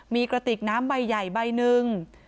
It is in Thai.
มีกระติกน้ำใบใหญ่ใบหนึ่ง